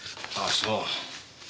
ああそう。